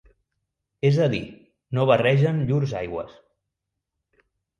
És a dir, no barregen llurs aigües.